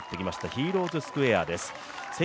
ヒーローズ・スクエアです。